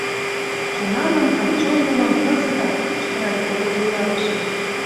Чонаным але чондымым — кызытак! — кычкырале колхоз вуйлатыше.